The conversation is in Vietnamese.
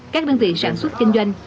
các đơn vị sản xuất chinh doanh